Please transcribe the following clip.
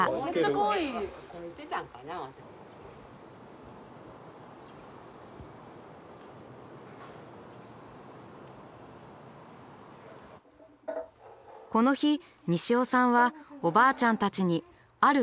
この日西尾さんはおばあちゃんたちにある宿題を携えてきました。